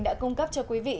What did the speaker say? đã cung cấp cho quý vị